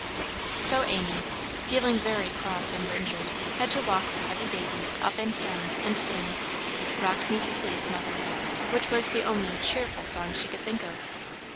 So Amy, feeling very cross and injured, had to walk the heavy baby up and down, and sing "Rock me to sleep, Mother," which was the only "cheerful" song she could think of.